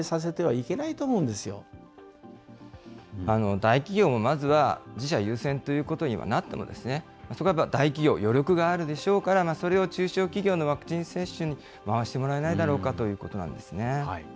大企業もまずは自社優先ということにはなっても、そこは大企業、余力があるでしょうから、それを中小企業のワクチン接種に回してもらえないだろうかということなんですね。